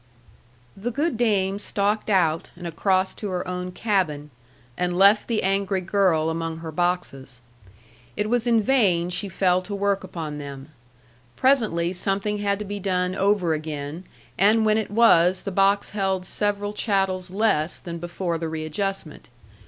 The good dame stalked out, and across to her own cabin, and left the angry girl among her boxes. It was in vain she fell to work upon them. Presently something had to be done over again, and when it was the box held several chattels less than before the readjustment.